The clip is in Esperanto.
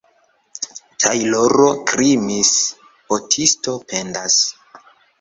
Tajloro krimis, botisto pendas.